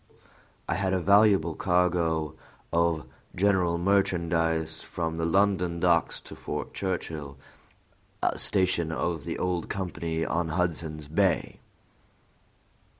"I had a valuable cargo of general merchandise from the London docks to Fort Churchill, a station of the old company on Hudson's Bay," said the captain earnestly.